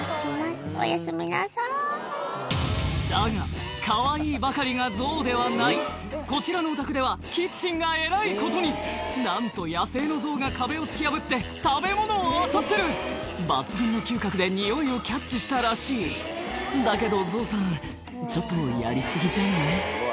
「おやすみなさい」だがかわいいばかりがゾウではないこちらのお宅ではキッチンがえらいことになんと野生のゾウが壁を突き破って食べ物をあさってる抜群の嗅覚で匂いをキャッチしたらしいだけどゾウさんちょっとやり過ぎじゃない？